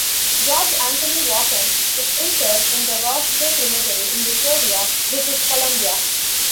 George Anthony Walkem is interred in the Ross Bay Cemetery in Victoria, British Columbia.